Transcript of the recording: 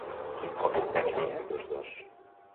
Quin còmic van idear tots dos?